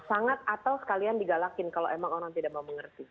sangat atau sekalian digalakin kalau emang orang tidak mau mengerti